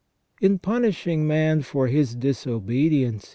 In punishing man for his disobedience.